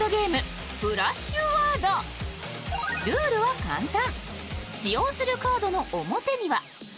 ルールは簡単。